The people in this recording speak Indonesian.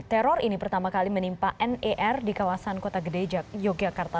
teror ini pertama kali menimpa ner di kawasan kota gede yogyakarta